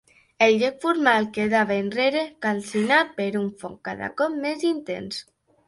El joc formal quedava enrere, calcinat per un foc cada cop més intens.